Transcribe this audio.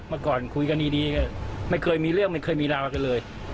เมื่อก่อนคุยกันดีไม่เคยมีเรื่องไม่เคยมีราวกันเลย